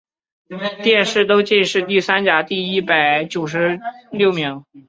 殿试登进士第三甲第一百六十九名。